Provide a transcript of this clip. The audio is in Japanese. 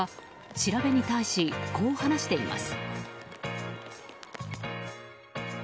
調べに対し、こう話しています。